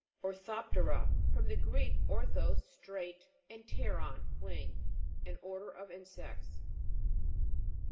ORTHOP'TERA. From the Greek, orthos, straight, and pteron, wing. An order of insects.